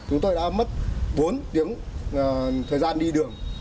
chúng tôi đã mất bốn tiếng thời gian đi đường